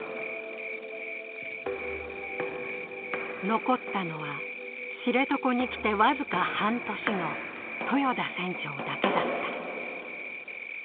残ったのは知床に来てわずか半年の豊田船長だけだった。